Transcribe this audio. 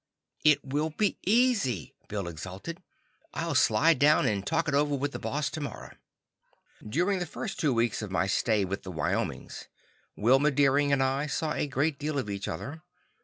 "It will be easy," Bill exulted. "I'll slide down and talk it over with the Boss tomorrow." During the first two weeks of my stay with the Wyomings, Wilma Deering and I saw a great deal of each other.